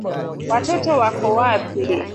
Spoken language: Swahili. Watoto wako wapi?